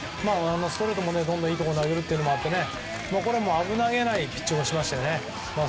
ストレートもいいところに投げるのもあってこれは危なげないピッチングをしましたね。